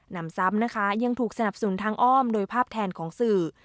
นำซ้ำนะคะยังถูกสนับสนุนทางอ้อมโดยภาพแทนของสื่อ